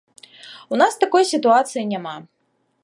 У нас такой сітуацыі няма.